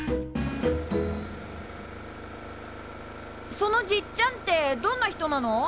そのじっちゃんってどんな人なの？